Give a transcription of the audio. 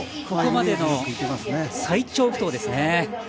ここまでの最長不倒ですね。